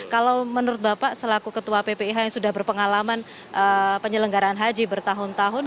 kalau menurut bapak selaku ketua ppih yang sudah berpengalaman penyelenggaran haji bertahun tahun